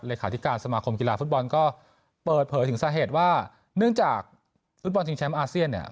ที่การสมาคมกีฬาฟุตบอลก็เปิดเผยถึงสาเหตุว่าเนื่องจากฟุตบอลชิงแชมป์อาเซียนเนี่ย